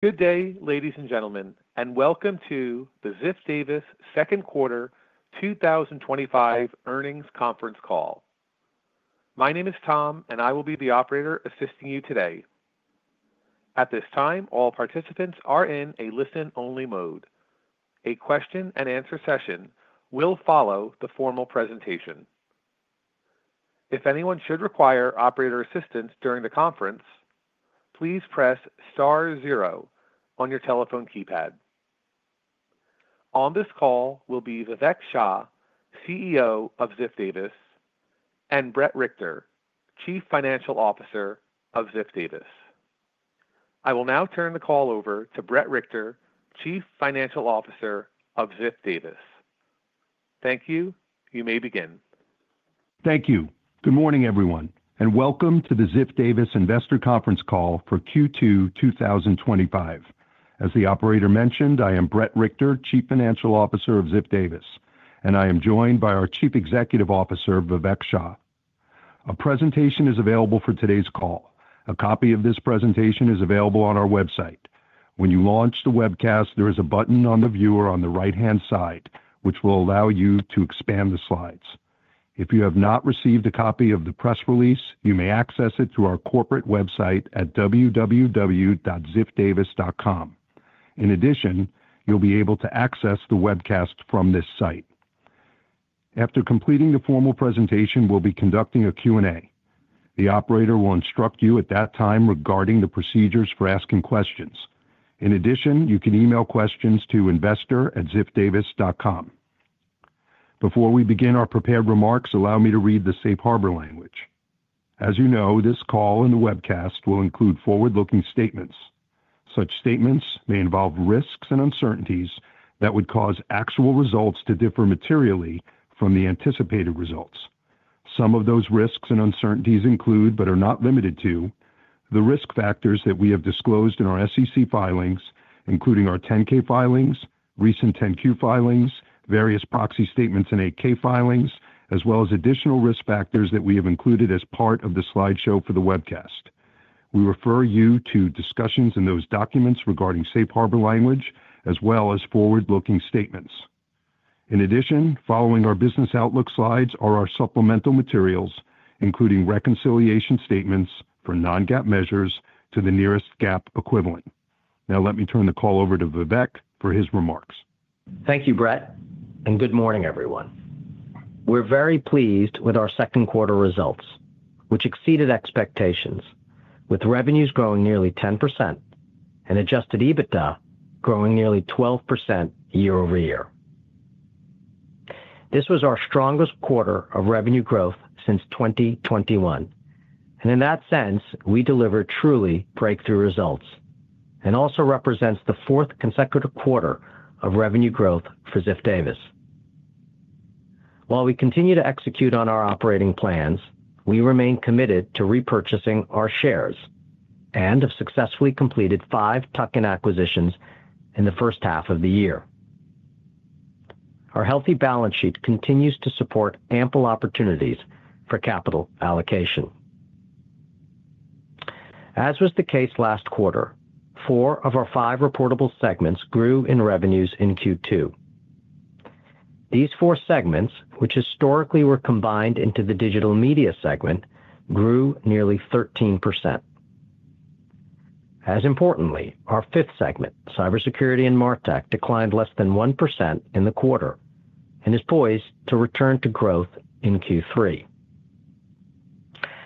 Good day, ladies and gentlemen, and welcome to the Ziff Davis Second Quarter 2025 Earnings Conference Call. My name is Tom, and I will be the operator assisting you today. At this time, all participants are in a listen-only mode. A question-and-answer session will follow the formal presentation. If anyone should require operator assistance during the conference, please press star zero on your telephone keypad. On this call will be Vivek Shah, CEO of Ziff Davis, and Brett Richter, Chief Financial Officer of Ziff Davis. I will now turn the call over to Brett Richter, Chief Financial Officer of Ziff Davis. Thank you. You may begin Thank you. Good morning, everyone, and welcome to the Ziff Davis investor conference call for Q2 2025. As the operator mentioned, I am Brett Richter, Chief Financial Officer of Ziff Davis, and I am joined by our Chief Executive Officer, Vivek Shah. A presentation is available for today's call. A copy of this presentation is available on our website. When you launch the webcast, there is a button on the viewer on the right-hand side, which will allow you to expand the slides. If you have not received a copy of the press release, you may access it through our corporate website at www.ziffdavis.com. In addition, you'll be able to access the webcast from this site. After completing the formal presentation, we'll be conducting a Q&A. The operator will instruct you at that time regarding the procedures for asking questions. In addition, you can email questions to investor@ziffdavis.com. Before we begin our prepared remarks, allow me to read the safe harbor language. As you know, this call and the webcast will include forward-looking statements. Such statements may involve risks and uncertainties that would cause actual results to differ materially from the anticipated results. Some of those risks and uncertainties include, but are not limited to, the risk factors that we have disclosed in our SEC filings, including our 10-K filings, recent 10-Q filings, various proxy statements, and 8-K filings, as well as additional risk factors that we have included as part of the slideshow for the webcast. We refer you to discussions in those documents regarding safe harbor language, as well as forward-looking statements. In addition, following our business outlook slides are our supplemental materials, including reconciliation statements for non-GAAP measures to the nearest GAAP equivalent. Now, let me turn the call over to Vivek for his remarks. Thank you, Brett, and good morning, everyone. We're very pleased with our second quarter results, which exceeded expectations, with revenues growing nearly 10% and adjusted EBITDA growing nearly 12% year-over-year. This was our strongest quarter of revenue growth since 2021, and in that sense, we delivered truly breakthrough results and also represent the fourth consecutive quarter of revenue growth for Ziff Davis. While we continue to execute on our operating plans, we remain committed to repurchasing our shares and have successfully completed five token acquisitions in the first half of the year. Our healthy balance sheet continues to support ample opportunities for capital allocation. As was the case last quarter, four of our five reportable segments grew in revenues in Q2. These four segments, which historically were combined into the digital media segment, grew nearly 13%. As importantly, our fifth segment, cybersecurity and martech, declined less than 1% in the quarter and is poised to return to growth in Q3.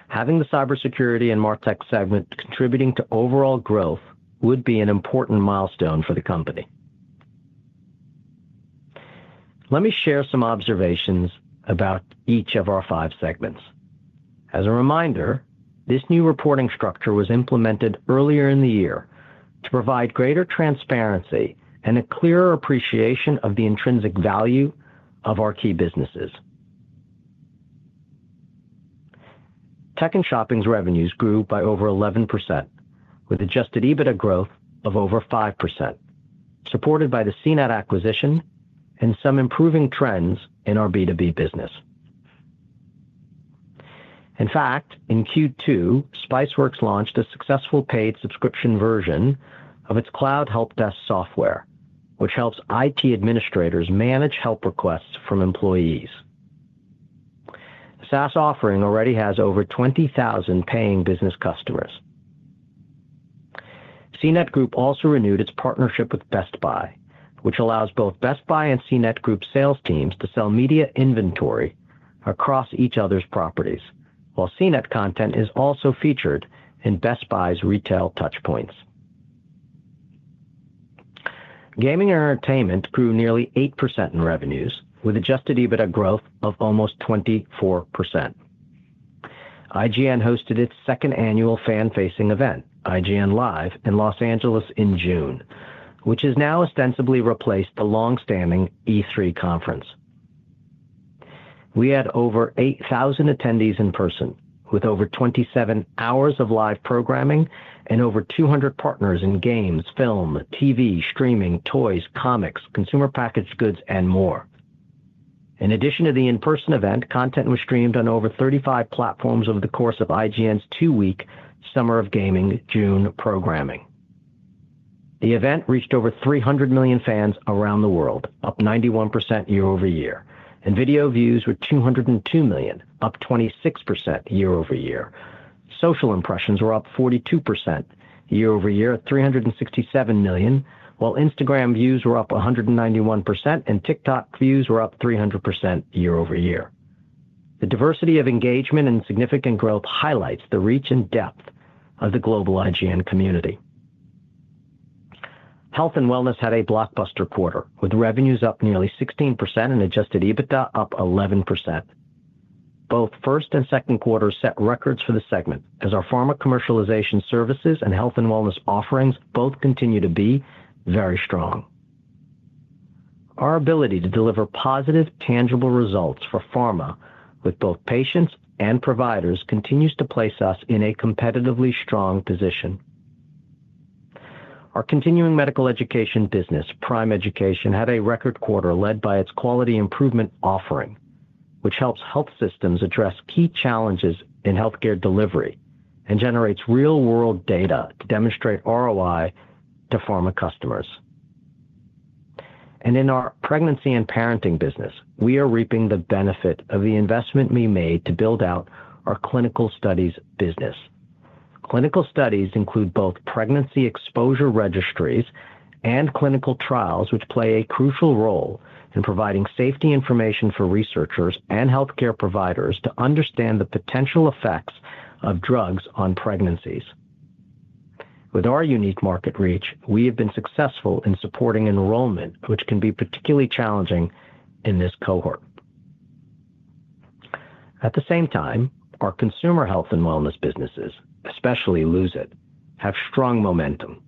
Having the cybersecurity and martech segments contributing to overall growth would be an important milestone for the company. Let me share some observations about each of our five segments. As a reminder, this new reporting structure was implemented earlier in the year to provide greater transparency and a clearer appreciation of the intrinsic value of our key businesses. Tech and shopping revenues grew by over 11%, with adjusted EBITDA growth of over 5%, supported by the CNET acquisition and some improving trends in our B2B business. In fact, in Q2, Spiceworks launched a successful paid subscription version of its cloud help desk software, which helps IT administrators manage help requests from employees. The SaaS offering already has over 20,000 paying business customers. CNET Group also renewed its partnership with Best Buy, which allows both Best Buy and CNET Group sales teams to sell media inventory across each other's properties, while CNET content is also featured in Best Buy's retail touchpoints. Gaming and entertainment grew nearly 8% in revenues, with adjusted EBITDA growth of almost 24%. IGN hosted its second annual fan-facing event, IGN Live, in Los Angeles in June, which has now ostensibly replaced the long-standing E3 conference. We had over 8,000 attendees in person, with over 27 hours of live programming and over 200 partners in games, film, TV, streaming, toys, comics, consumer packaged goods, and more. In addition to the in-person event, content was streamed on over 35 platforms over the course of IGN's two-week Summer of Gaming June programming. The event reached over 300 million fans around the world, up 91% year-over-year, and video views were 202 million, up 26% year-over-year. Social impressions were up 42% year-over-year, 367 million, while Instagram views were up 191% and TikTok views were up 300% year-over-year. The diversity of engagement and significant growth highlights the reach and depth of the global IGN community. Health and wellness had a blockbuster quarter, with revenues up nearly 16% and adjusted EBITDA up 11%. Both first and second quarters set records for the segment, as our pharma commercialization services and health and wellness offerings both continue to be very strong. Our ability to deliver positive, tangible results for pharma with both patients and providers continues to place us in a competitively strong position. Our continuing medical education business, Prime Education, had a record quarter led by its quality improvement offering, which helps health systems address key challenges in healthcare delivery and generates real-world data to demonstrate ROI to pharma customers. In our pregnancy and parenting business, we are reaping the benefit of the investment we made to build out our clinical studies business. Clinical studies include both pregnancy exposure registries and clinical trials, which play a crucial role in providing safety information for researchers and healthcare providers to understand the potential effects of drugs on pregnancies. With our unique market reach, we have been successful in supporting enrollment, which can be particularly challenging in this cohort. At the same time, our consumer health and wellness businesses, especially Lose It, have strong momentum,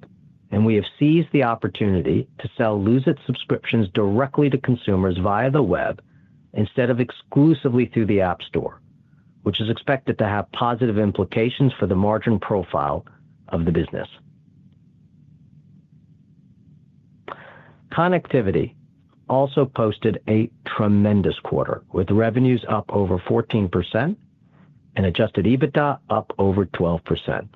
and we have seized the opportunity to sell Lose It subscriptions directly to consumers via the web instead of exclusively through the App Store, which is expected to have positive implications for the margin profile of the business. Connectivity also posted a tremendous quarter, with revenues up over 14% and adjusted EBITDA up over 12%.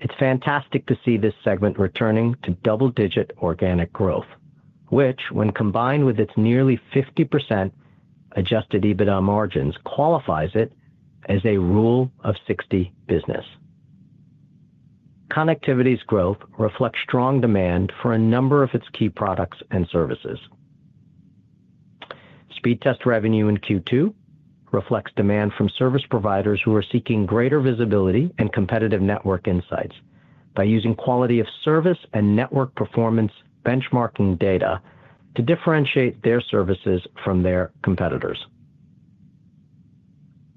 It's fantastic to see this segment returning to double-digit organic growth, which, when combined with its nearly 50% adjusted EBITDA margins, qualifies it as a rule of 60 business. Connectivity's growth reflects strong demand for a number of its key products and services. Speedtest revenue in Q2 reflects demand from service providers who are seeking greater visibility and competitive network insights by using quality of service and network performance benchmarking data to differentiate their services from their competitors.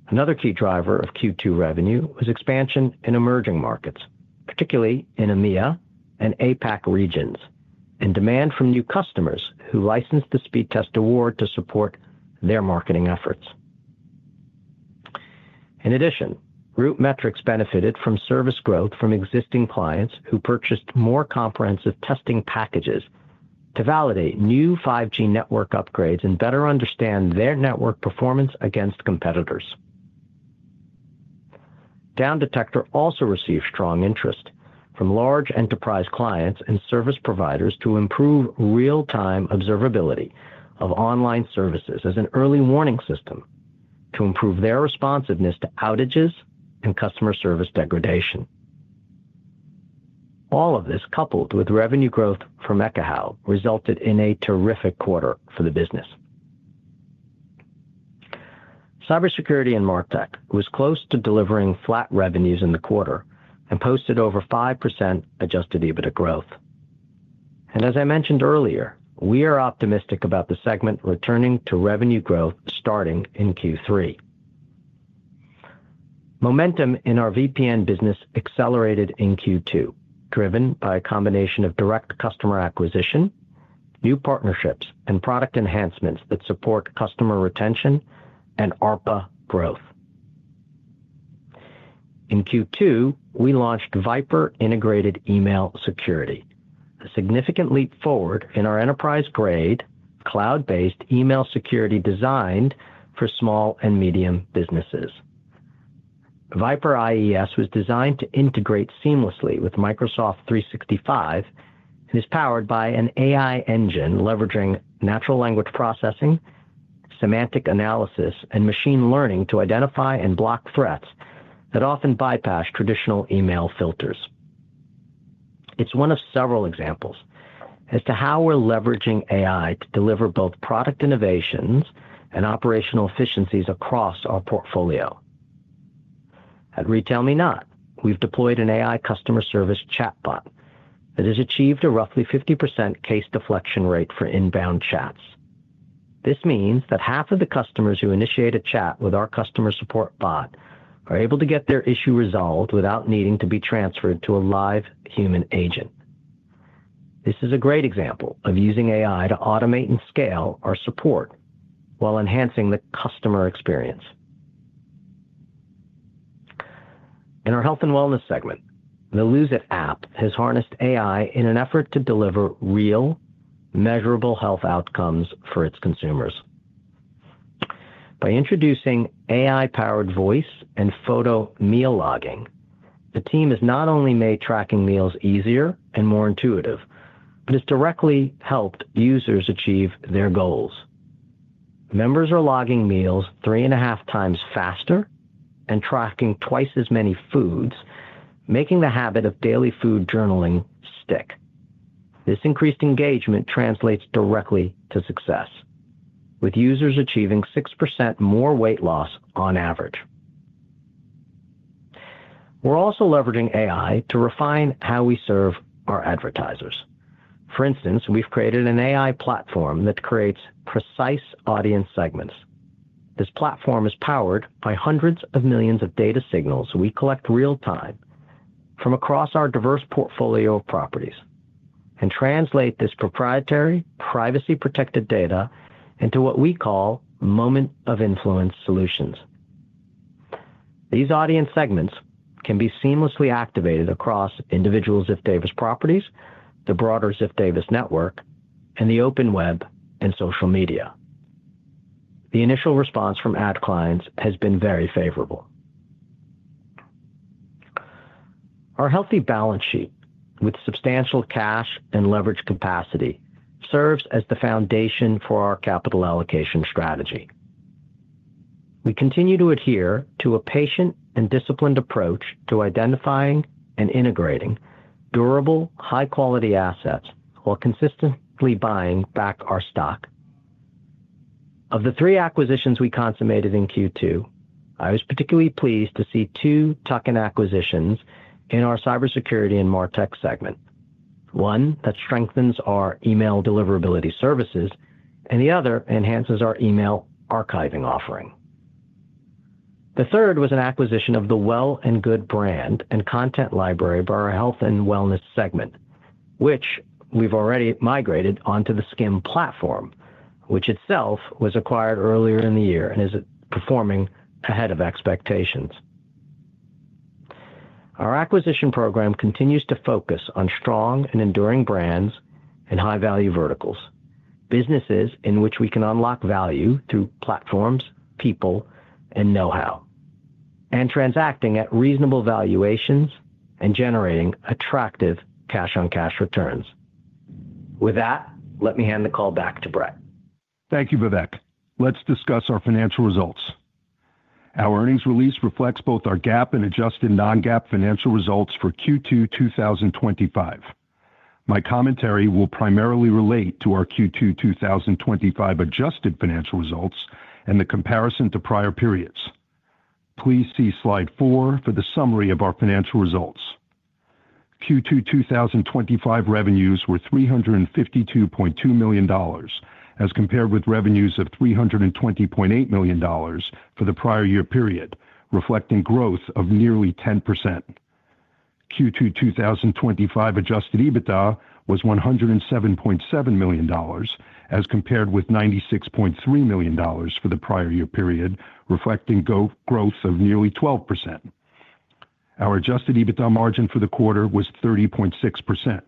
Another key driver of Q2 revenue was expansion in emerging markets, particularly in EMEA and APAC regions, and demand from new customers who licensed the Speedtest Award to support their marketing efforts. In addition, RootMetrics benefited from service growth from existing clients who purchased more comprehensive testing packages to validate new 5G network upgrades and better understand their network performance against competitors. Down Detector also received strong interest from large enterprise clients and service providers to improve real-time observability of online services as an early warning system to improve their responsiveness to outages and customer service degradation. All of this, coupled with revenue growth from Ekahau Sidekick, resulted in a terrific quarter for the business. Cybersecurity and martech was close to delivering flat revenues in the quarter and posted over 5% adjusted EBITDA growth. As I mentioned earlier, we are optimistic about the segment returning to revenue growth starting in Q3. Momentum in our VPN business accelerated in Q2, driven by a combination of direct customer acquisition, new partnerships, and product enhancements that support customer retention and ARPA growth. In Q2, we launched VIPRE Integrated Email Security, a significant leap forward in our enterprise-grade cloud-based email security designed for small and medium businesses. VIPRE IES was designed to integrate seamlessly with Microsoft 365 and is powered by an AI engine leveraging natural language processing, semantic analysis, and machine learning to identify and block threats that often bypass traditional email filters. It's one of several examples as to how we're leveraging AI to deliver both product innovations and operational efficiencies across our portfolio. At RetailMeNot, we've deployed an AI customer service chatbot that has achieved a roughly 50% case deflection rate for inbound chats. This means that half of the customers who initiate a chat with our customer support bot are able to get their issue resolved without needing to be transferred to a live human agent. This is a great example of using AI to automate and scale our support while enhancing the customer experience. In our health and wellness segment, the Lose It app has harnessed AI in an effort to deliver real, measurable health outcomes for its consumers. By introducing AI-powered voice and photo meal logging, the team has not only made tracking meals easier and more intuitive, but has directly helped users achieve their goals. Members are logging meals three and a half times faster and tracking twice as many foods, making the habit of daily food journaling stick. This increased engagement translates directly to success, with users achieving 6% more weight loss on average. We're also leveraging AI to refine how we serve our advertisers. For instance, we've created an AI platform that creates precise audience segments. This platform is powered by hundreds of millions of data signals we collect real-time from across our diverse portfolio of properties and translate this proprietary, privacy-protected data into what we call Moments of Influence solutions. These audience segments can be seamlessly activated across individual Ziff Davis properties, the broader Ziff Davis network, and the open web and social media. The initial response from ad clients has been very favorable. Our healthy balance sheet, with substantial cash and leverage capacity, serves as the foundation for our capital allocation strategy. We continue to adhere to a patient and disciplined approach to identifying and integrating durable, high-quality assets while consistently buying back our stock. Of the three acquisitions we consummated in Q2, I was particularly pleased to see two token acquisitions in our cybersecurity and martech segment, one that strengthens our email deliverability services and the other enhances our email archiving offering. The third was an acquisition of the Well+Good brand and content library for our health and wellness segment, which we've already migrated onto theSkimm platform, which itself was acquired earlier in the year and is performing ahead of expectations. Our acquisition program continues to focus on strong and enduring brands and high-value verticals, businesses in which we can unlock value through platforms, people, and know-how, and transacting at reasonable valuations and generating attractive cash-on-cash returns. With that, let me hand the call back to Brett. Thank you, Vivek. Let's discuss our financial results. Our earnings release reflects both our GAAP and adjusted non-GAAP financial results for Q2 2025. My commentary will primarily relate to our Q2 2025 adjusted financial results and the comparison to prior periods. Please see slide four for the summary of our financial results. Q2 2025 revenues were $352.2 million as compared with revenues of $320.8 million for the prior year period, reflecting growth of nearly 10%. Q2 2025 adjusted EBITDA was $107.7 million as compared with $96.3 million for the prior year period, reflecting growth of nearly 12%. Our adjusted EBITDA margin for the quarter was 30.6%.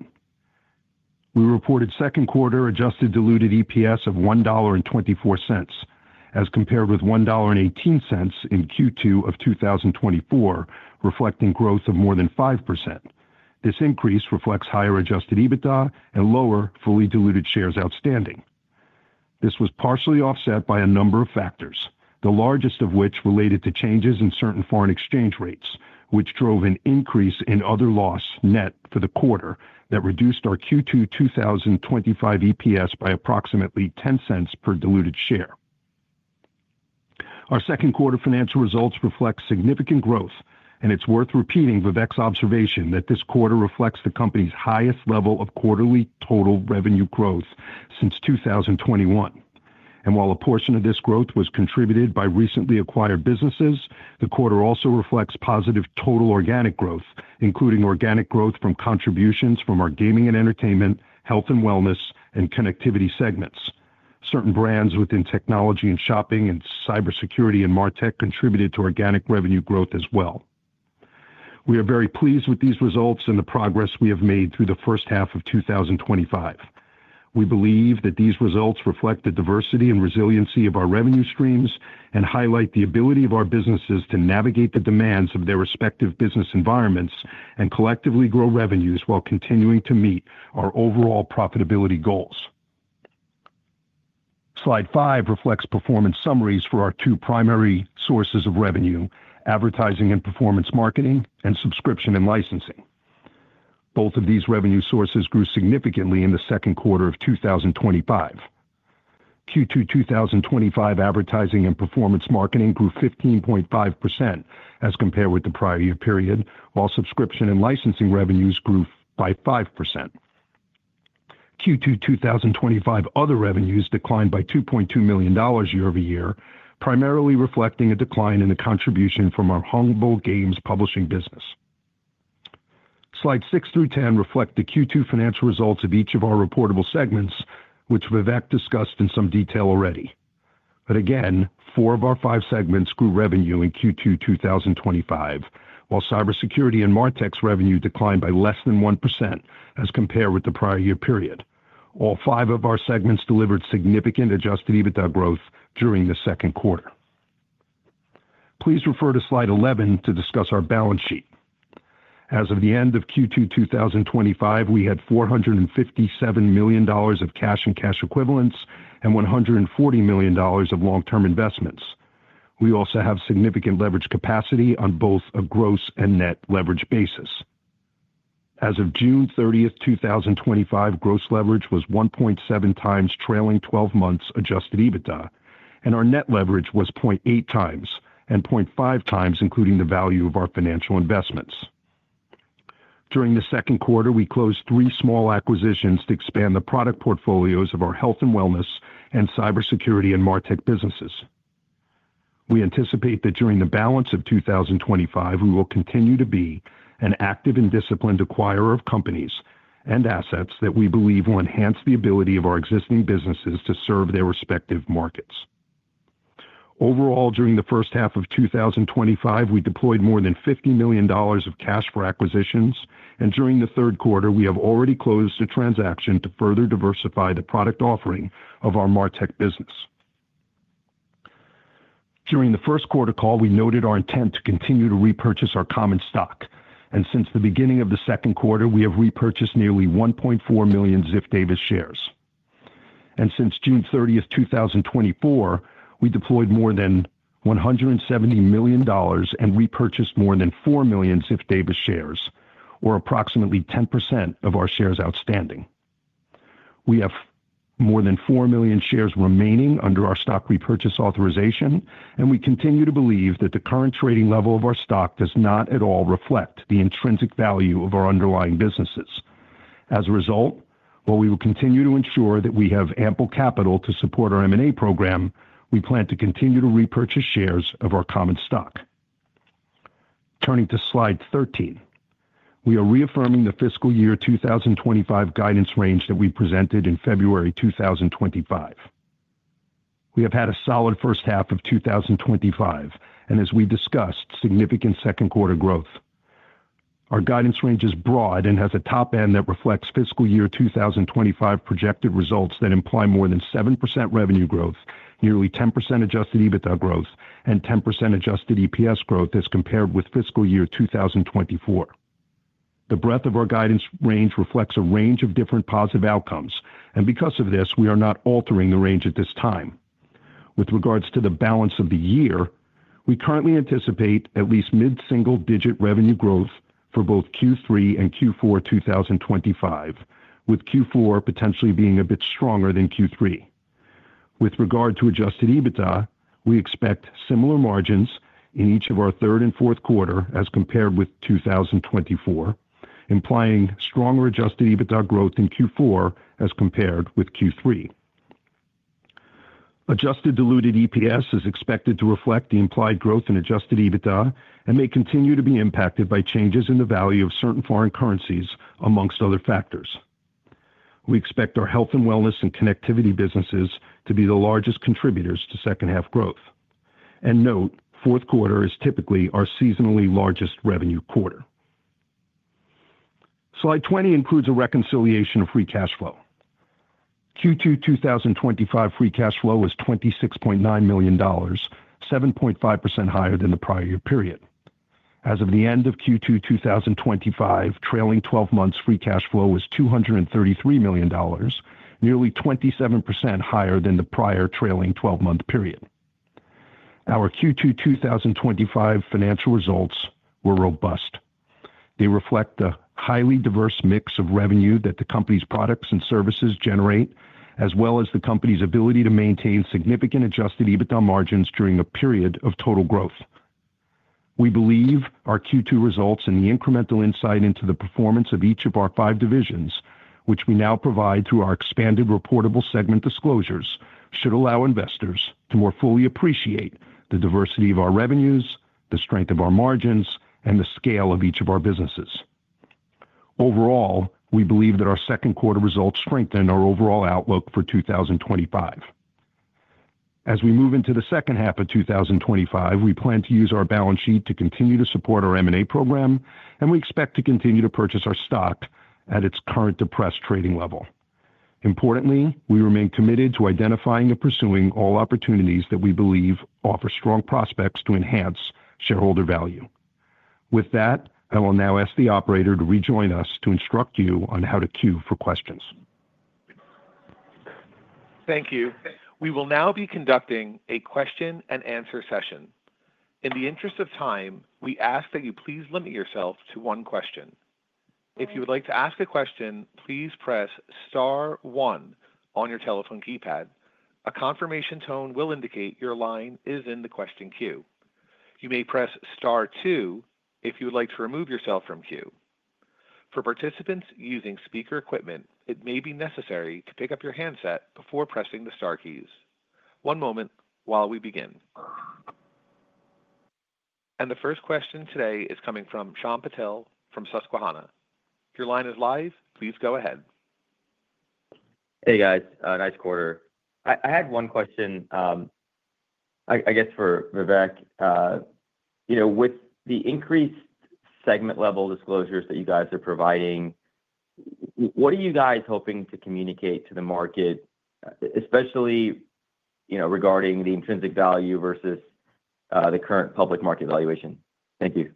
We reported second quarter adjusted diluted EPS of $1.24 as compared with $1.18 in Q2 of 2024, reflecting growth of more than 5%. This increase reflects higher adjusted EBITDA and lower fully diluted shares outstanding. This was partially offset by a number of factors, the largest of which related to changes in certain foreign exchange rates, which drove an increase in other loss net for the quarter that reduced our Q2 2025 EPS by approximately $0.10 per diluted share. Our second quarter financial results reflect significant growth, and it's worth repeating Vivek's observation that this quarter reflects the company's highest level of quarterly total revenue growth since 2021. While a portion of this growth was contributed by recently acquired businesses, the quarter also reflects positive total organic growth, including organic growth from contributions from our gaming and entertainment, health and wellness, and connectivity segments. Certain brands within technology and shopping and cybersecurity and martech contributed to organic revenue growth as well. We are very pleased with these results and the progress we have made through the first half of 2025. We believe that these results reflect the diversity and resiliency of our revenue streams and highlight the ability of our businesses to navigate the demands of their respective business environments and collectively grow revenues while continuing to meet our overall profitability goals. Slide five reflects performance summaries for our two primary sources of revenue: advertising and performance marketing, and subscription and licensing. Both of these revenue sources grew significantly in the second quarter of 2025. Q2 2025 advertising and performance marketing grew 15.5% as compared with the prior year period, while subscription and licensing revenues grew by 5%. Q2 2025 other revenues declined by $2.2 million year-over-year, primarily reflecting a decline in the contribution from our Humble Bundle Game Publishing business. Slides six through ten reflect the Q2 financial results of each of our reportable segments, which Vivek Shah discussed in some detail already. Four of our five segments grew revenue in Q2 2025, while cybersecurity and martech revenue declined by less than 1% as compared with the prior year period. All five of our segments delivered significant adjusted EBITDA growth during the second quarter. Please refer to slide 11 to discuss our balance sheet. As of the end of Q2 2025, we had $457 million of cash and cash equivalents and $140 million of long-term investments. We also have significant leverage capacity on both a gross and net leverage basis. As of June 30, 2025, gross leverage was 1.7 times trailing 12 months adjusted EBITDA, and our net leverage was 0.8 times and 0.5 times including the value of our financial investments. During the second quarter, we closed three small acquisitions to expand the product portfolios of our health and wellness and cybersecurity and martech businesses. We anticipate that during the balance of 2025, we will continue to be an active and disciplined acquirer of companies and assets that we believe will enhance the ability of our existing businesses to serve their respective markets. Overall, during the first half of 2025, we deployed more than $50 million of cash for acquisitions, and during the third quarter, we have already closed a transaction to further diversify the product offering of our martech business. During the first quarter call, we noted our intent to continue to repurchase our common stock, and since the beginning of the second quarter, we have repurchased nearly 1.4 million Ziff Davis shares. Since June 30, 2024, we deployed more than $170 million and repurchased more than 4 million Ziff Davis shares, or approximately 10% of our shares outstanding. We have more than 4 million shares remaining under our stock repurchase authorization, and we continue to believe that the current trading level of our stock does not at all reflect the intrinsic value of our underlying businesses. As a result, while we will continue to ensure that we have ample capital to support our M&A program, we plan to continue to repurchase shares of our common stock. Turning to slide 13, we are reaffirming the fiscal year 2025 guidance range that we presented in February 2025. We have had a solid first half of 2025, and as we discussed, significant second quarter growth. Our guidance range is broad and has a top end that reflects fiscal year 2025 projected results that imply more than 7% revenue growth, nearly 10% adjusted EBITDA growth, and 10% adjusted EPS growth as compared with fiscal year 2024. The breadth of our guidance range reflects a range of different positive outcomes, and because of this, we are not altering the range at this time. With regards to the balance of the year, we currently anticipate at least mid-single-digit revenue growth for both Q3 and Q4 2025, with Q4 potentially being a bit stronger than Q3. With regard to adjusted EBITDA, we expect similar margins in each of our third and fourth quarter as compared with 2024, implying stronger adjusted EBITDA growth in Q4 as compared with Q3. Adjusted diluted EPS is expected to reflect the implied growth in adjusted EBITDA and may continue to be impacted by changes in the value of certain foreign currencies, amongst other factors. We expect our health and wellness and connectivity businesses to be the largest contributors to second half growth. Note, fourth quarter is typically our seasonally largest revenue quarter. Slide 20 includes a reconciliation of free cash flow. Q2 2025 free cash flow was $26.9 million, 7.5% higher than the prior year period. As of the end of Q2 2025, trailing 12 months free cash flow was $233 million, nearly 27% higher than the prior trailing 12-month period. Our Q2 2025 financial results were robust. They reflect the highly diverse mix of revenue that the company's products and services generate, as well as the company's ability to maintain significant adjusted EBITDA margins during a period of total growth. We believe our Q2 results and the incremental insight into the performance of each of our five divisions, which we now provide through our expanded reportable segment disclosures, should allow investors to more fully appreciate the diversity of our revenues, the strength of our margins, and the scale of each of our businesses. Overall, we believe that our second quarter results strengthen our overall outlook for 2025. As we move into the second half of 2025, we plan to use our balance sheet to continue to support our M&A program, and we expect to continue to purchase our stock at its current depressed trading level. Importantly, we remain committed to identifying and pursuing all opportunities that we believe offer strong prospects to enhance shareholder value. With that, I will now ask the operator to rejoin us to instruct you on how to queue for questions. Thank you. We will now be conducting a question-and-answer session. In the interest of time, we ask that you please limit yourself to one question. If you would like to ask a question, please press star one on your telephone keypad. A confirmation tone will indicate your line is in the question queue. You may press star two if you would like to remove yourself from the queue. For participants using speaker equipment, it may be necessary to pick up your handset before pressing the star keys. One moment while we begin. The first question today is coming from Sean Patel from Susquehanna. If your line is live, please go ahead. Hey guys, nice quarter. I had one question, I guess for Vivek. With the increased segment level disclosures that you guys are providing, what are you guys hoping to communicate to the market, especially regarding the intrinsic value versus the current public market valuation? Thank you.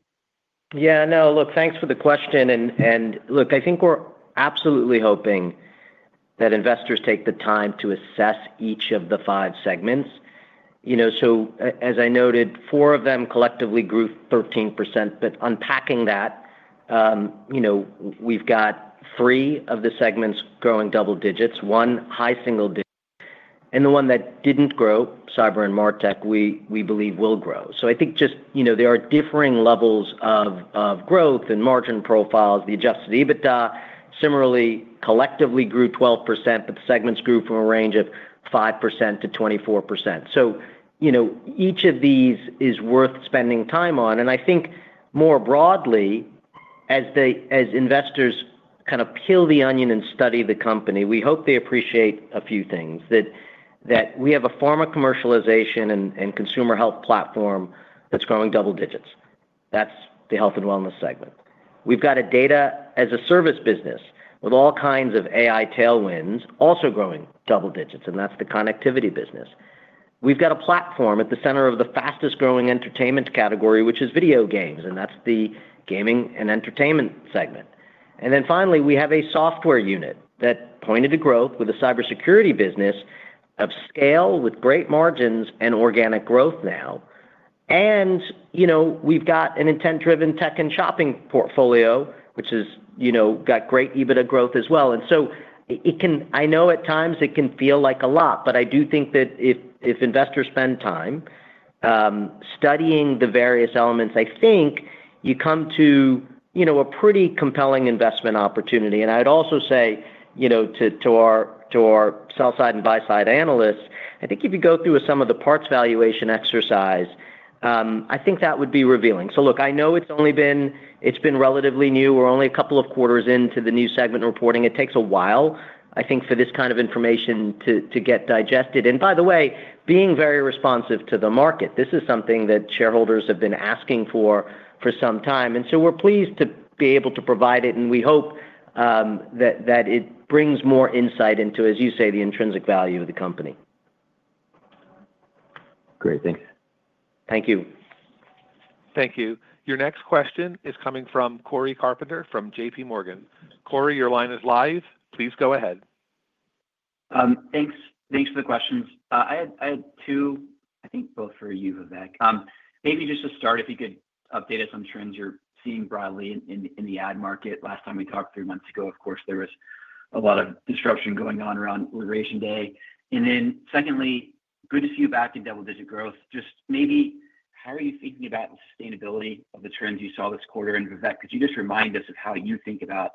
Yeah, no, look, thanks for the question. I think we're absolutely hoping that investors take the time to assess each of the five segments. As I noted, four of them collectively grew 13%. Unpacking that, we've got three of the segments growing double digits, one high single digit, and the one that didn't grow, cybersecurity and martech, we believe will grow. There are differing levels of growth and margin profiles. The adjusted EBITDA similarly collectively grew 12%, but the segments grew from a range of 5%-24%. Each of these is worth spending time on. I think more broadly, as investors kind of peel the onion and study the company, we hope they appreciate a few things, that we have a pharma commercialization and consumer health platform that's growing double digits. That's the health and wellness segment. We've got a data as a service business with all kinds of AI tailwinds also growing double digits, and that's the connectivity business. We've got a platform at the center of the fastest growing entertainment category, which is video games, and that's the gaming and entertainment segment. Finally, we have a software unit that pointed to growth with a cybersecurity business of scale with great margins and organic growth now. We've got an intent-driven tech and shopping portfolio, which has got great EBITDA growth as well. I know at times it can feel like a lot, but I do think that if investors spend time studying the various elements, you come to a pretty compelling investment opportunity. I'd also say to our sell-side and buy-side analysts, if you could go through some of the parts valuation exercise, I think that would be revealing. I know it's only been, it's been relatively new. We're only a couple of quarters into the new segment reporting. It takes a while for this kind of information to get digested. By the way, being very responsive to the market, this is something that shareholders have been asking for for some time. We're pleased to be able to provide it, and we hope that it brings more insight into, as you say, the intrinsic value of the company. Great, thanks. Thank you. Thank you. Your next question is coming from Cory Carpenter from J.P. Morgan. Cory, your line is live. Please go ahead. Thanks. Thanks for the questions. I had two, I think both for you, Vivek. Maybe just to start, if you could update us on trends you're seeing broadly in the ad market. Last time we talked three months ago, of course, there was a lot of disruption going on around Liberation Day. Secondly, good to see you back in double-digit growth. Just maybe, how are you thinking about the sustainability of the trends you saw this quarter? Vivek, could you just remind us of how you think about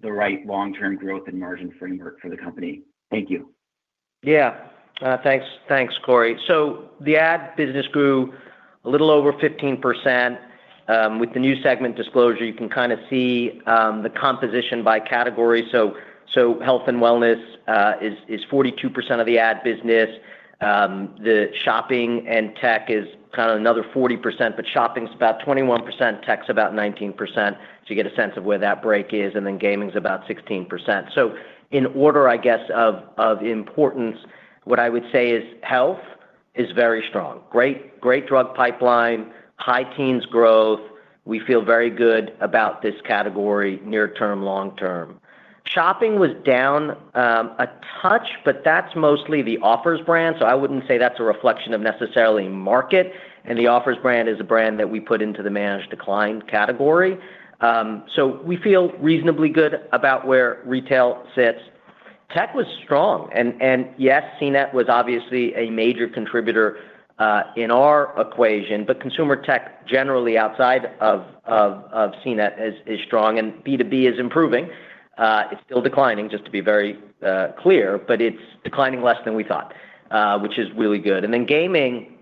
the right long-term growth and margin framework for the company? Thank you. Yeah, thanks, thanks Cory. The ad business grew a little over 15%. With the new segment disclosure, you can kind of see the composition by category. Health and wellness is 42% of the ad business. The shopping and tech is kind of another 40%, but shopping's about 21%, tech's about 19%. You get a sense of where that break is, and then gaming's about 16%. In order of importance, what I would say is health is very strong. Great drug pipeline, high teens growth. We feel very good about this category near term, long term. Shopping was down a touch, but that's mostly the offers brand. I wouldn't say that's a reflection of necessarily market. The offers brand is a brand that we put into the managed declined category. We feel reasonably good about where retail sits. Tech was strong. Yes, CNET was obviously a major contributor in our equation, but consumer tech generally outside of CNET is strong. B2B is improving. It's still declining, just to be very clear, but it's declining less than we thought, which is really good. Gaming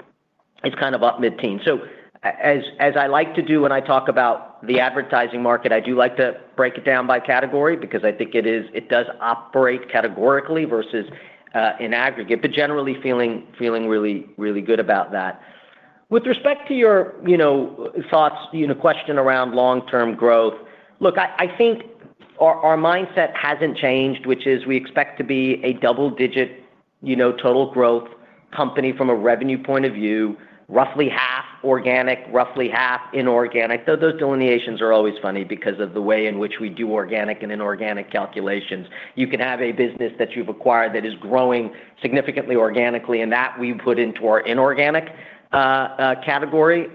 is kind of up mid-teens. As I like to do when I talk about the advertising market, I do like to break it down by category because I think it does operate categorically versus in aggregate, but generally feeling really, really good about that. With respect to your thoughts, your question around long-term growth, look, I think our mindset hasn't changed, which is we expect to be a double-digit total growth company from a revenue point of view, roughly half organic, roughly half inorganic. Those delineations are always funny because of the way in which we do organic and inorganic calculations. You can have a business that you've acquired that is growing significantly organically, and that we put into our inorganic category.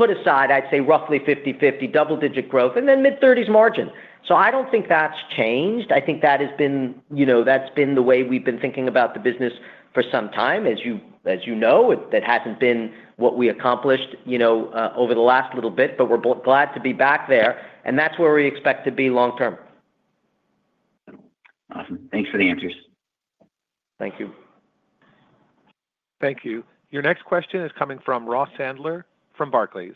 Put aside, I'd say roughly 50-50, double-digit growth, and then mid-30s margin. I don't think that's changed. I think that has been the way we've been thinking about the business for some time. As you know, it hasn't been what we accomplished over the last little bit, but we're glad to be back there. That's where we expect to be long term. Thanks for the answers. Thank you. Thank you. Your next question is coming from Ross Sandler from Barclays.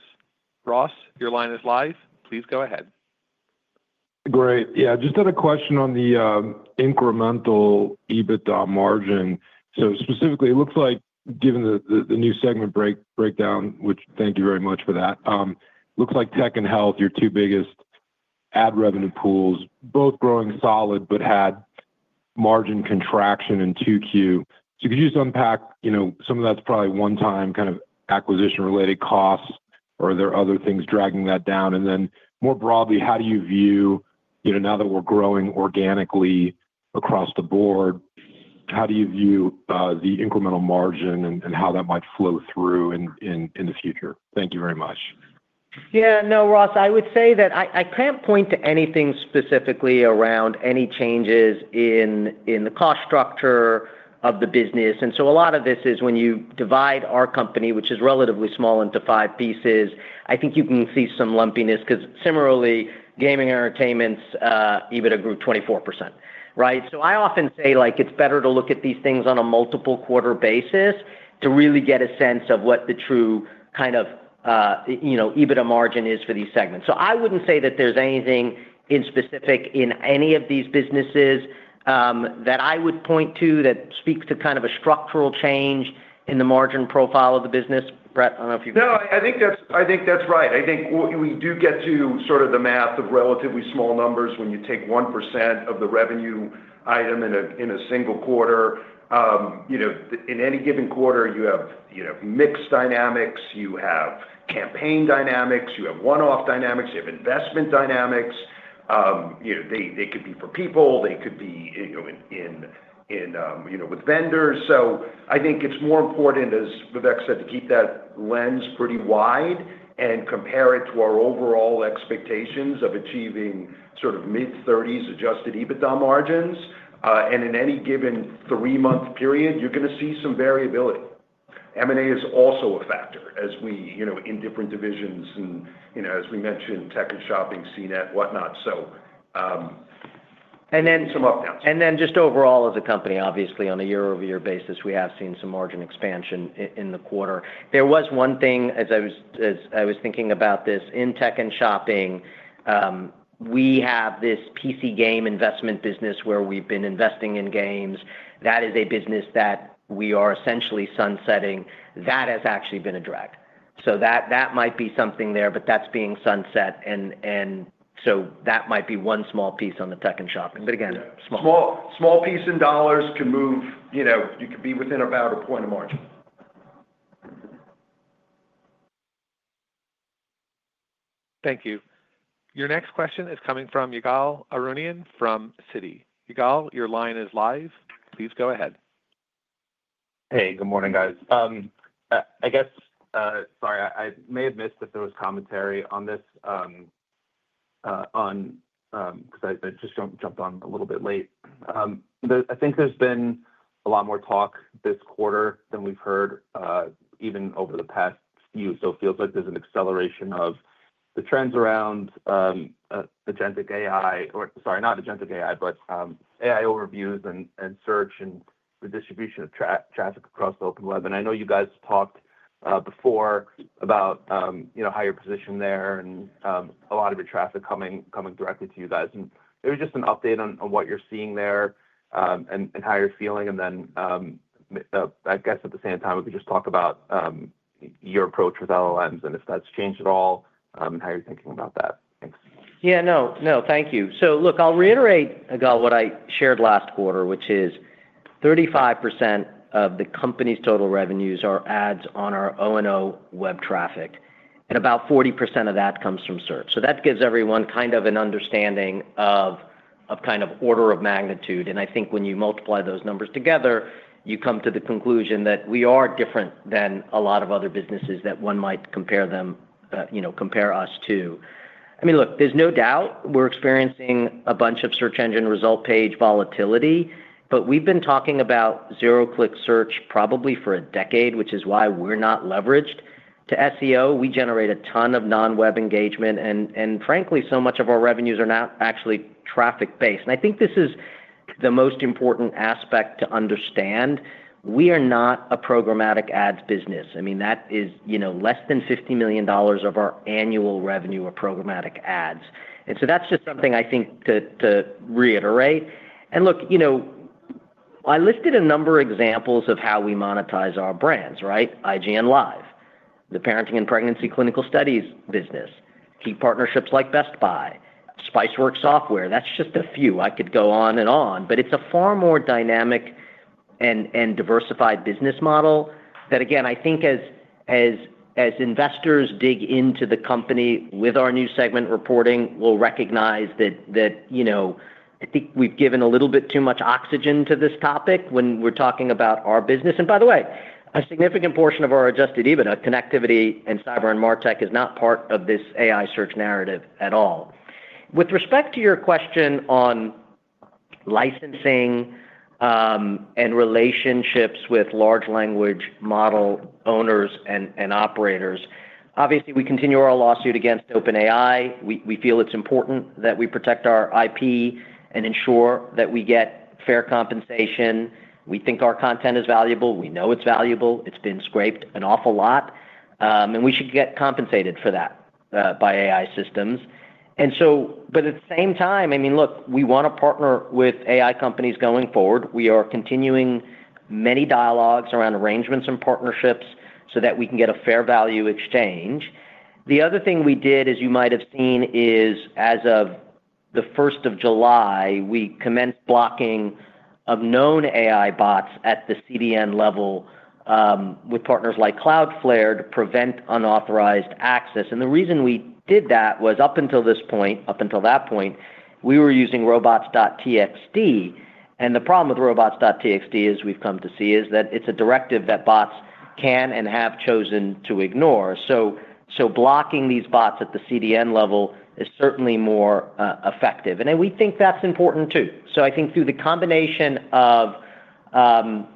Ross, your line is live. Please go ahead. Great. Yeah, just had a question on the incremental EBITDA margin. Specifically, it looks like given the new segment breakdown, which thank you very much for that, it looks like tech and health are your two biggest ad revenue pools, both growing solid but had margin contraction in 2Q. Could you just unpack, you know, some of that's probably one-time kind of acquisition-related costs, or are there other things dragging that down? More broadly, how do you view, you know, now that we're growing organically across the board, how do you view the incremental margin and how that might flow through in the future? Thank you very much. Yeah, no, Ross, I would say that I can't point to anything specifically around any changes in the cost structure of the business. A lot of this is when you divide our company, which is relatively small, into five pieces, I think you can see some lumpiness because, similarly, gaming and entertainment's EBITDA grew 24%. I often say it's better to look at these things on a multiple quarter basis to really get a sense of what the true kind of EBITDA margin is for these segments. I wouldn't say that there's anything specific in any of these businesses that I would point to that speaks to a structural change in the margin profile of the business. Brett, I don't know if you... No, I think that's right. I think we do get to sort of the math of relatively small numbers when you take 1% of the revenue item in a single quarter. In any given quarter, you have mixed dynamics, you have campaign dynamics, you have one-off dynamics, you have investment dynamics. They could be for people, they could be with vendors. I think it's more important, as Vivek said, to keep that lens pretty wide and compare it to our overall expectations of achieving sort of mid-30% adjusted EBITDA margins. In any given three-month period, you're going to see some variability. M&A is also a factor as we, in different divisions and, as we mentioned, tech and shopping, CNET, whatnot. Overall, as a company, obviously, on a year-over-year basis, we have seen some margin expansion in the quarter. There was one thing, as I was thinking about this, in tech and shopping, we have this PC game investment business where we've been investing in games. That is a business that we are essentially sunsetting. That has actually been a drag. That might be something there, but that's being sunset. That might be one small piece on the tech and shopping. A small piece in dollars can move, you know, you could be within about a point of margin. Thank you. Your next question is coming from Ygal Arounian from Citi. Ygal, your line is live. Please go ahead. Hey, good morning, guys. Sorry, I may have missed that there was commentary on this because I just jumped on a little bit late. I think there's been a lot more talk this quarter than we've heard even over the past few. It feels like there's an acceleration of the trends around AI overviews and search and the distribution of traffic across the open web. I know you guys talked before about how you're positioned there and a lot of your traffic coming directly to you guys. Maybe just an update on what you're seeing there and how you're feeling. At the same time, we could just talk about your approach with LLMs and if that's changed at all and how you're thinking about that. Thank you. I'll reiterate, Ygal, what I shared last quarter, which is 35% of the company's total revenues are ads on our O&O web traffic, and about 40% of that comes from search. That gives everyone kind of an understanding of order of magnitude. When you multiply those numbers together, you come to the conclusion that we are different than a lot of other businesses that one might compare us to. There is no doubt we're experiencing a bunch of search engine result page volatility, but we've been talking about zero-click search probably for a decade, which is why we're not leveraged to SEO. We generate a ton of non-web engagement, and frankly, so much of our revenues are not actually traffic-based. I think this is the most important aspect to understand. We are not a programmatic ads business. That is, less than $50 million of our annual revenue are programmatic ads. That's just something I think to reiterate. I listed a number of examples of how we monetize our brands: IGN Live, the parenting and pregnancy clinical studies business, key partnerships like Best Buy, Spiceworks Software. That's just a few. I could go on and on, but it's a far more dynamic and diversified business model that, again, I think as investors dig into the company with our new segment reporting, we'll recognize that we've given a little bit too much oxygen to this topic when we're talking about our business. By the way, a significant portion of our adjusted EBITDA connectivity and cyber and martech is not part of this AI search narrative at all. With respect to your question on licensing and relationships with large language model owners and operators, obviously, we continue our lawsuit against OpenAI. We feel it's important that we protect our IP and ensure that we get fair compensation. We think our content is valuable. We know it's valuable. It's been scraped an awful lot, and we should get compensated for that by AI systems. At the same time, we want to partner with AI companies going forward. We are continuing many dialogues around arrangements and partnerships so that we can get a fair value exchange. The other thing we did, as you might have seen, is as of the 1st of July, we commenced blocking of known AI bots at the CDN level with partners like Cloudflare to prevent unauthorized access. The reason we did that was up until this point, up until that point, we were using robots.txt. The problem with robots.txt, as we've come to see, is that it's a directive that bots can and have chosen to ignore. Blocking these bots at the CDN level is certainly more effective. We think that's important too. Through the combination of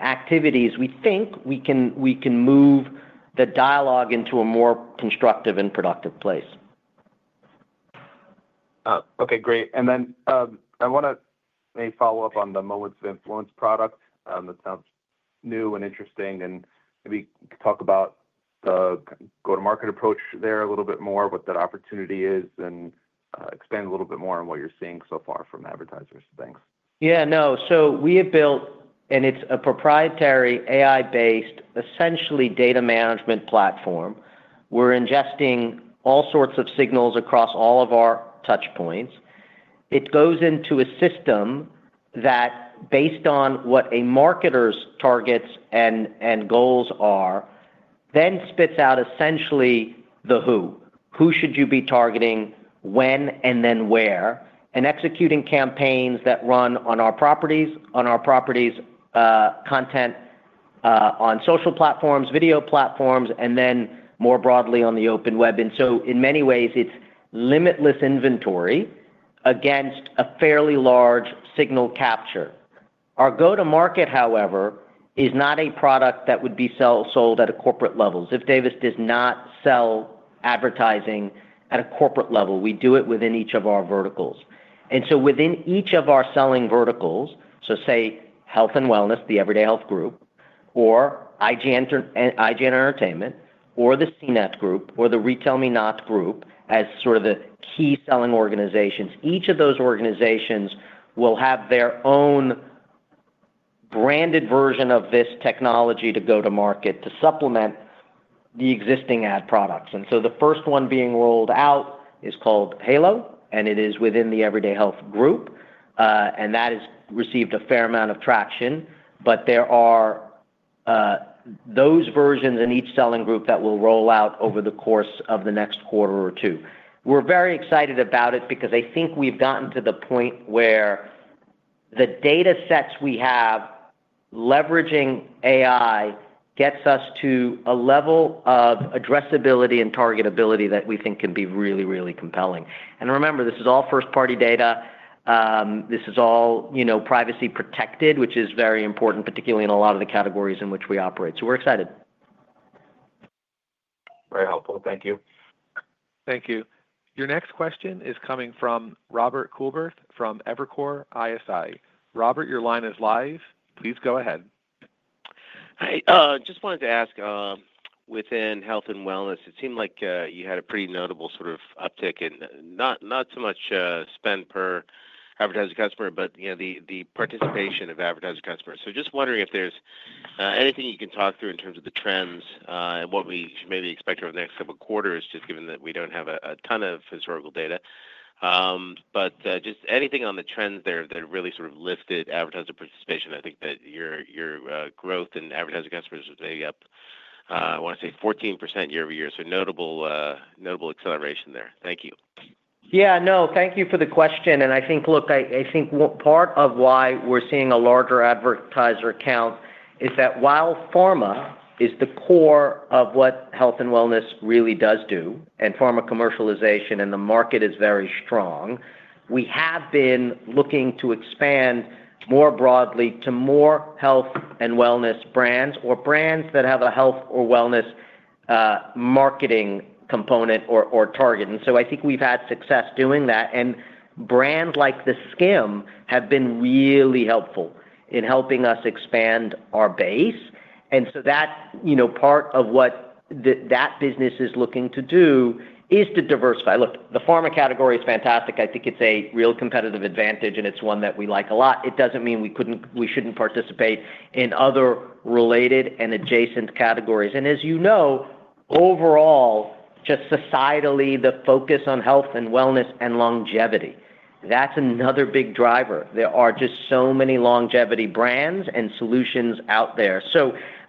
activities, we think we can move the dialogue into a more constructive and productive place. Okay, great. I want to maybe follow up on the Moments of Influence product. That sounds new and interesting. Maybe talk about the go-to-market approach there a little bit more, what that opportunity is, and expand a little bit more on what you're seeing so far from advertisers. Thanks. We have built, and it's a proprietary AI-based, essentially data management platform. We're ingesting all sorts of signals across all of our touchpoints. It goes into a system that, based on what a marketer's targets and goals are, then spits out essentially the who. Who should you be targeting, when, and then where? Executing campaigns that run on our properties, content, on social platforms, video platforms, and then more broadly on the open web. In many ways, it's limitless inventory against a fairly large signal capture. Our go-to-market, however, is not a product that would be sold at a corporate level. Ziff Davis does not sell advertising at a corporate level. We do it within each of our verticals. Within each of our selling verticals, so say health and wellness, the Everyday Health Group, or IGN Entertainment, or the CNET Group, or the RetailMeNot Group as sort of the key selling organizations, each of those organizations will have their own branded version of this technology to go to market to supplement the existing ad products. The first one being rolled out is called Halo, and it is within the Everyday Health Group. That has received a fair amount of traction. There are those versions in each selling group that will roll out over the course of the next quarter or two. We're very excited about it because I think we've gotten to the point where the data sets we have leveraging AI gets us to a level of addressability and targetability that we think can be really, really compelling. Remember, this is all first-party data. This is all, you know, privacy protected, which is very important, particularly in a lot of the categories in which we operate. We're excited. Very helpful. Thank you. Thank you. Your next question is coming from Robert Coolbrith from Evercore ISI. Robert, your line is live. Please go ahead. I just wanted to ask, within health and wellness, it seemed like you had a pretty notable sort of uptick in not so much spend per advertising customer, but the participation of advertising customers. Just wondering if there's anything you can talk through in terms of the trends and what we should maybe expect over the next couple of quarters, given that we don't have a ton of historical data. Anything on the trends there that really sort of lifted advertiser participation. I think that your growth in advertising customers is maybe up, I want to say 14% year-over-year. Notable acceleration there. Thank you. Thank you for the question. I think part of why we're seeing a larger advertiser count is that while pharma is the core of what health and wellness really does do, and pharma commercialization in the market is very strong, we have been looking to expand more broadly to more health and wellness brands or brands that have a health or wellness marketing component or target. I think we've had success doing that. Brands like theSkimm have been really helpful in helping us expand our base. That's part of what that business is looking to do, to diversify. The pharma category is fantastic. I think it's a real competitive advantage, and it's one that we like a lot. It doesn't mean we shouldn't participate in other related and adjacent categories. As you know, overall, just societally, the focus on health and wellness and longevity, that's another big driver. There are just so many longevity brands and solutions out there.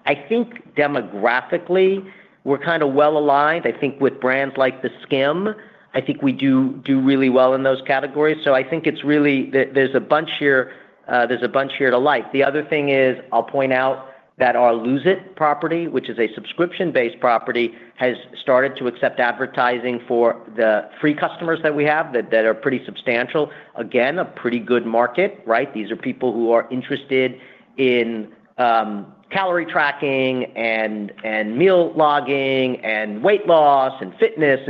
I think demographically, we're kind of well-aligned. I think with brands like theSkimm, I think we do really well in those categories. There's a bunch here to like. The other thing is, I'll point out that our Lose It property, which is a subscription-based property, has started to accept advertising for the free customers that we have that are pretty substantial. Again, a pretty good market, right? These are people who are interested in calorie tracking and meal logging and weight loss and fitness.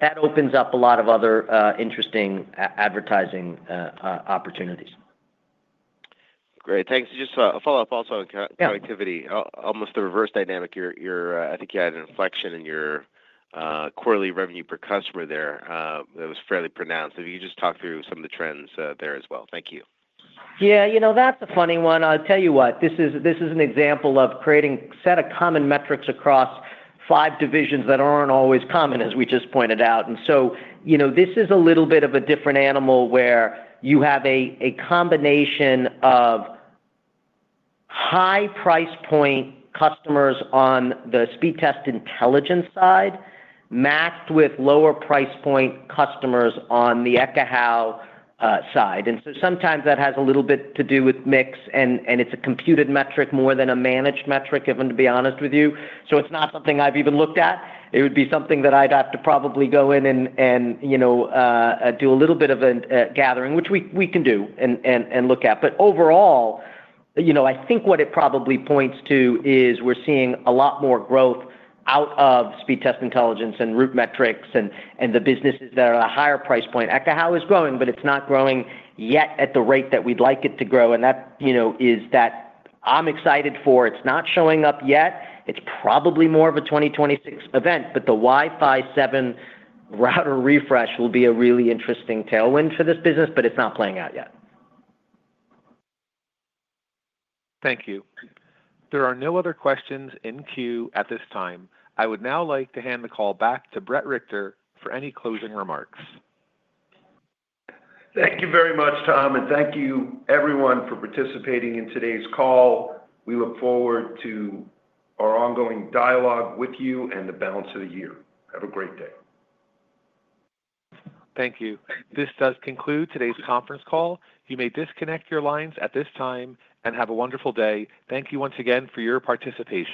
That opens up a lot of other interesting advertising opportunities. Great, thanks. Just a follow-up also on connectivity, almost the reverse dynamic. I think you had an inflection in your quarterly revenue per customer there. That was fairly pronounced. If you could just talk through some of the trends there as well. Thank you. Yeah, you know, that's a funny one. I'll tell you what. This is an example of creating a set of common metrics across five divisions that aren't always common, as we just pointed out. This is a little bit of a different animal where you have a combination of high price point customers on the Speedtest Intelligence side, matched with lower price point customers on the Ekahau Sidekick side. Sometimes that has a little bit to do with mix, and it's a computed metric more than a managed metric, if I'm to be honest with you. It's not something I've even looked at. It would be something that I'd have to probably go in and do a little bit of a gathering, which we can do and look at. Overall, I think what it probably points to is we're seeing a lot more growth out of Speedtest Intelligence and RootMetrics and the businesses that are at a higher price point. Ekahau Sidekick is growing, but it's not growing yet at the rate that we'd like it to grow. That is what I'm excited for. It's not showing up yet. It's probably more of a 2026 event, but the WiFi 7 router refresh will be a really interesting tailwind for this business, but it's not playing out yet. Thank you. There are no other questions in queue at this time. I would now like to hand the call back to Brett Richter for any closing remarks. Thank you very much, Tom, and thank you everyone for participating in today's call. We look forward to our ongoing dialogue with you and the balance of the year. Have a great day. Thank you. This does conclude today's conference call. You may disconnect your lines at this time and have a wonderful day. Thank you once again for your participation.